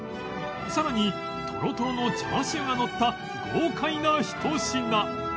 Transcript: さらにとろとろのチャーシューがのった豪快なひと品